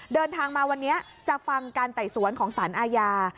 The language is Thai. เดินทางมาวันนี้จะฟังการไต่สวนของสารอาญา